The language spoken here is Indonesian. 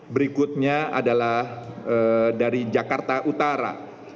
berikutnya adalah dari jakarta utara